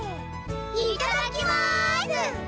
いただきます！